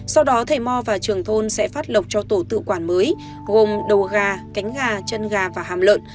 sau đó thầy mò và trường thôn sẽ phát lộc cho tổ tự quản mới gồm đầu gà cánh gà chân gà và hàm lợn